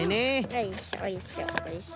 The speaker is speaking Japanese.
よいしょよいしょよいしょ。